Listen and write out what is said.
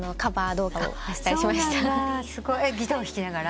すごい。ギターを弾きながら？